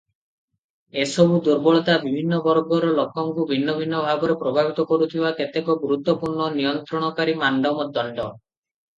ଏସବୁ ଦୁର୍ବଳତା ବିଭିନ୍ନ ବର୍ଗର ଲୋକଙ୍କୁ ଭିନ୍ନ ଭିନ୍ନ ଭାବେ ପ୍ରଭାବିତ କରୁଥିବା କେତେକ ଗୁରୁତ୍ୱପୂର୍ଣ୍ଣ ନିୟନ୍ତ୍ରଣକାରୀ ମାନଦଣ୍ଡ ।